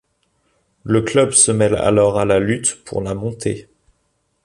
Le club se mêle alors à la lutte pour la montée.